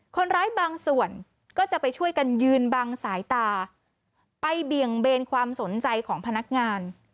คนร้ายบางส่วนก็จะไปช่วยกันยืนบังสายตาไปเบี่ยงเบนความสนใจของพนักงาน